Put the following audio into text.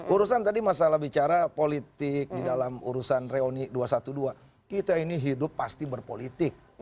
urusan tadi masalah bicara politik di dalam urusan reuni dua ratus dua belas kita ini hidup pasti berpolitik